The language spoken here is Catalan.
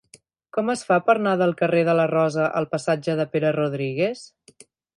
Com es fa per anar del carrer de la Rosa al passatge de Pere Rodríguez?